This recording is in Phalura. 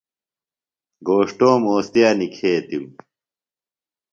گھوݜٹوم اوستِیہ نِکھیتِم۔